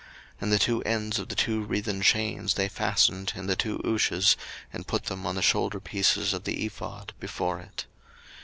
02:039:018 And the two ends of the two wreathen chains they fastened in the two ouches, and put them on the shoulderpieces of the ephod, before it.